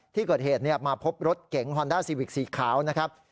ที่เกิดเหตุมาพบรถเก๋งฮอนด้าซีวิกสีขาวนะครับ